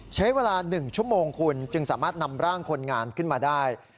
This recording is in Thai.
ใช้เวลา๑ชั่วโมงคุณจึงสามารถนำร่างคนงานขึ้นมาได้